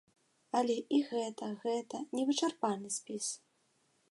Але і гэта гэта не вычарпальны спіс.